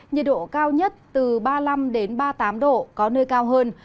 nhiệt độ cao nhất từ ba mươi năm ba mươi tám độ có nơi cao hơn